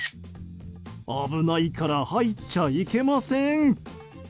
危ないから入っちゃいけません。